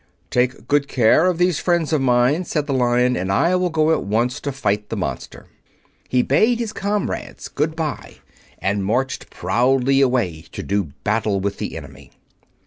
"Take good care of these friends of mine," said the Lion, "and I will go at once to fight the monster." He bade his comrades good bye and marched proudly away to do battle with the enemy.